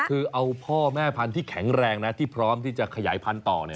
คือเอาพ่อแม่พันธุ์ที่แข็งแรงนะที่พร้อมที่จะขยายพันธุ์ต่อ